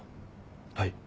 はい。